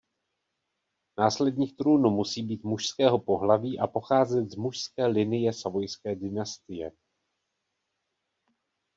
Následník trůnu musí být mužského pohlaví a pocházet z mužské linie savojské dynastie.